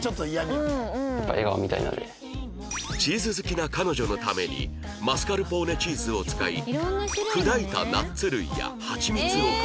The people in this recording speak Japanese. チーズ好きな彼女のためにマスカルポーネチーズを使い砕いたナッツ類やはちみつをかける